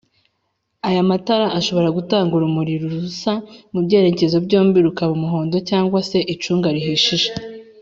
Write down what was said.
ayo matara ashobora Gutanga urumuri rusa mubyerekezo byombi rukaba Umuhondo cg se icunga rihishije